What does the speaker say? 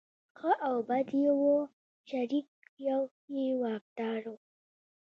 ښه او بد یې وو شریک یو یې واکدار و.